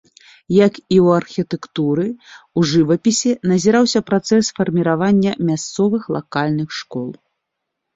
Як і ў архітэктуры, у жывапісе назіраўся працэс фарміравання мясцовых лакальных школ.